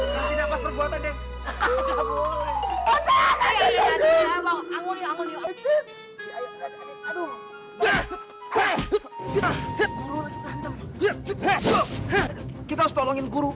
sampai jumpa di video selanjutnya